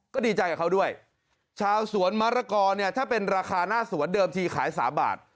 ก็ดีใจกับเขาด้วยชาวสวนมะละกอเนี่ยถ้าเป็นราคาหน้าสวนเดิมทีขาย๓บาท